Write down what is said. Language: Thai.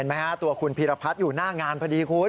นี่เห็นไหมครับตัวคุณพีรพัฒน์อยู่หน้างานพอดีคุณ